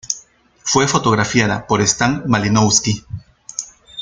Fue fotografiada por Stan Malinowski.